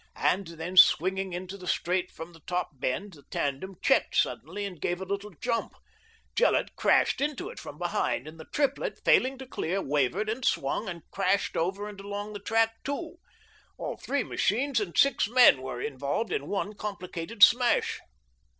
And then, swinging into the straight from the top bend, the tandem checked suddenly and gave a little jump. Gillett crashed into it from behind, and the triplet, failing to clear, wavered and swung, and crashed over and along the track too. All three machines and six men were involved in one complicated smash.